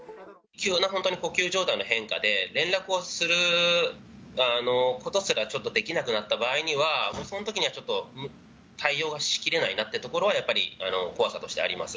急な呼吸状態の変化で、連絡をすることすらちょっとできなくなった場合には、もうそのときには、ちょっと対応しきれないなってところは、やっぱり怖さとしてあります。